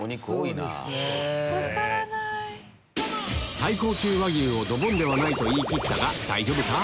最高級和牛をドボンではないと言い切ったが大丈夫か？